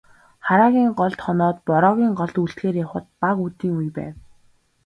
Хараагийн голд хоноод, Бороогийн голд үлдэхээр явахад бага үдийн үе байв.